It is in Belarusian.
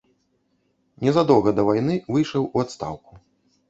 Незадоўга да вайны выйшаў у адстаўку.